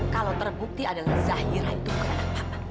kalau terbukti adalah zahira itu kenapa pak